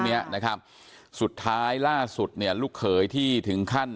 เนี้ยนะครับสุดท้ายล่าสุดเนี่ยลูกเขยที่ถึงขั้น